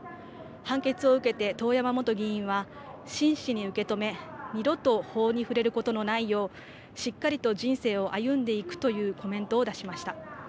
判決を受けて遠山元議員は真摯に受け止め二度と法に触れることのないようしっかりと人生を歩んでいくというコメントを出しました。